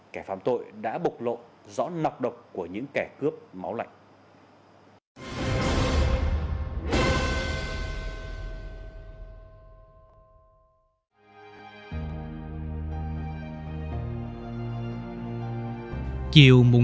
kẻ phạm tội đã bộc lộ rõ nọc độc của những kẻ cướp máu lạnh